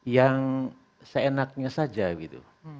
yang seenaknya saja gitu